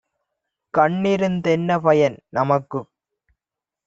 கண்ணிருந் தென்னபயன்? - நமக்குக்